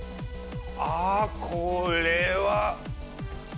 ああこれは。